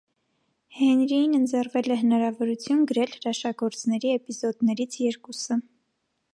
Հենրիին ընձեռնվել է հնարավորություն գրել հրաշագործների էպիզոդներից երկուսը։